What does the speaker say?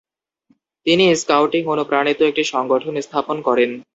তিনি স্কাউটিং-অনুপ্রাণিত একটি সংগঠন স্থাপন করেন।